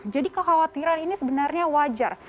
jadi kekhawatiran ini sebenarnya wajar